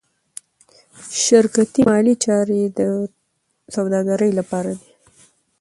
شرکتي مالي چارې د سوداګرۍ لپاره دي.